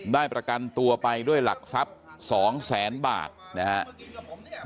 ประกันตัวไปด้วยหลักทรัพย์๒แสนบาทนะครับ